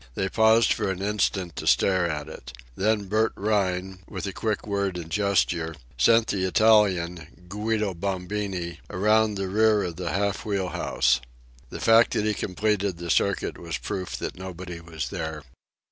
They paused for an instant to stare at it. Then Bert Rhine, with a quick word and gesture, sent the Italian, Guido Bombini, around the rear of the half wheelhouse. The fact that he completed the circuit was proof that nobody was there.